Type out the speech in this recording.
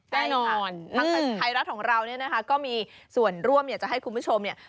แน่นอนทางไทยรัฐของเราเนี่ยนะคะก็มีส่วนร่วมอยากจะให้คุณผู้ชมเนี่ย